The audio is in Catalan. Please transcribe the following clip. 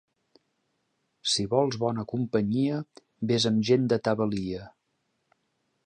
Si vols bona companyia, ves amb gent de ta valia.